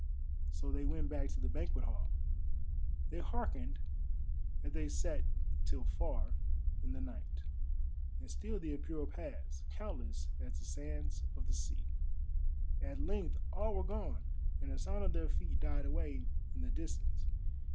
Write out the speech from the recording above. So they went back to the banquet hall. They hearkened as they sat till far in the night, and still the Apura passed, countless as the sands of the sea. At length all were gone, and the sound of their feet died away in the distance.